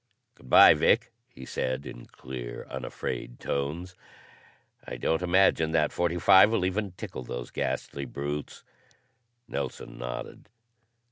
"Good by, Vic," he said, in clear, unafraid tones. "I don't imagine that .45 will even tickle those ghastly brutes." Nelson nodded.